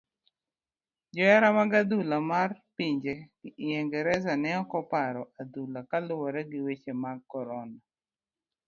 Johera mag adhula mar pinje ingereza ne okopako adhula kaluwore gi weche mag korona.